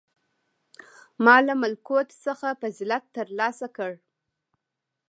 • ما له ملکوت څخه فضیلت تر لاسه کړ.